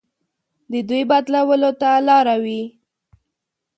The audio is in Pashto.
د دوی بدلولو ته لاره وي.